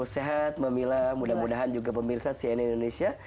sehat memilah mudah mudahan juga pemirsa cnn indonesia